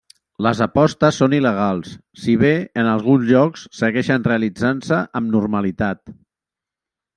Les apostes són il·legals, si bé en alguns llocs segueixen realitzant-se amb normalitat.